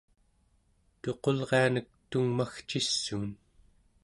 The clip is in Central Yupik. tuqulrianek tungmagcissuun